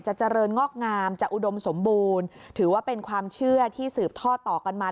เจริญงอกงามจะอุดมสมบูรณ์ถือว่าเป็นความเชื่อที่สืบท่อต่อกันมา